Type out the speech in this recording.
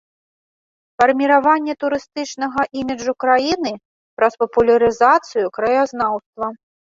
Фарміраванне турыстычнага іміджу краіны праз папулярызацыю краязнаўства.